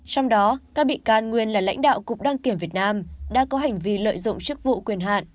trong đó các bị can nguyên là lãnh đạo cục đăng kiểm việt nam đã có hành vi lợi dụng chức vụ quyền hạn